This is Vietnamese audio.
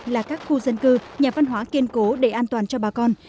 là các khu dân cư nhà văn hóa kiên cố để an toàn cho bà con